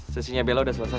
sesinya bella udah selesai